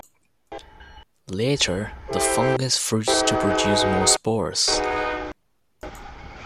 Later, the fungus fruits to produce more spores.